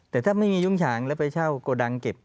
แต่ถ้าไม่มียุ่งฉางแล้วไปเช่าโกดังเก็บ